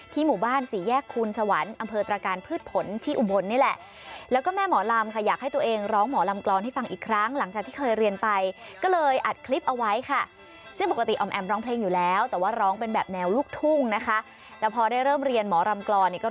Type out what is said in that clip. ผมอยู่เมืองพันธุ์นี้นะคะสวัสดีค่ะ